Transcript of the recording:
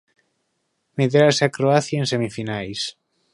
Medirase a Croacia en semifinais.